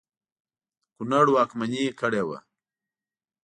د کنړ واکمني کړې وه.